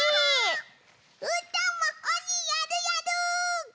うーたんもおにやるやる！